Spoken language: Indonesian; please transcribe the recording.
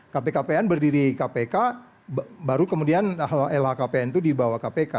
kpkpn berdiri kpk baru kemudian lhkpn itu dibawa kpk